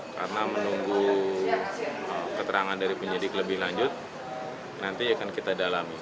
karena menunggu keterangan dari penyidik lebih lanjut nanti akan kita dalami